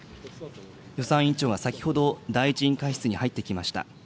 予算委員長が先ほど第１委員会室に入ってきました。